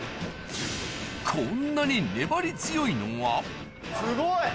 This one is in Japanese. こんなに粘り強いのは・すごい！